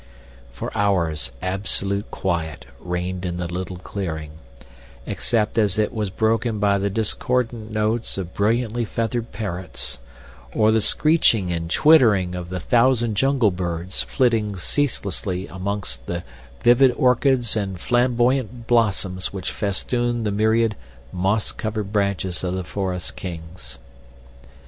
For hours absolute quiet reigned in the little clearing, except as it was broken by the discordant notes of brilliantly feathered parrots, or the screeching and twittering of the thousand jungle birds flitting ceaselessly amongst the vivid orchids and flamboyant blossoms which festooned the myriad, moss covered branches of the forest kings.